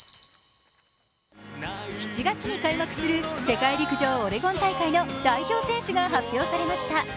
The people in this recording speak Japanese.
７月に開幕する世界陸上オレゴン大会の代表選手が発表されました。